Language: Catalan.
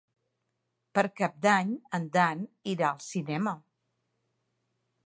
Per Cap d'Any en Dan irà al cinema.